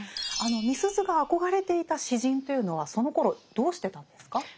あのみすゞが憧れていた詩人というのはそのころどうしてたんですか？